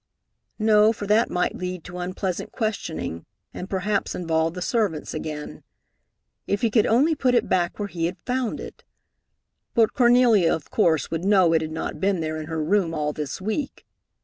No, for that might lead to unpleasant questioning, and perhaps involve the servants again. If he could only put it back where he had found it! But Cornelia, of course, would know it had not been there in her room all this week.